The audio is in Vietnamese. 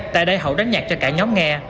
tại đây hậu đánh nhạc cho cả nhóm nghe